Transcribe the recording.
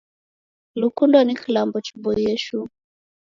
Lukundo ni kilambo chiboie shuu.